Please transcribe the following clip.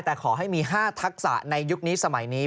แต่ขอให้มี๕ทักษะในยุคนี้สมัยนี้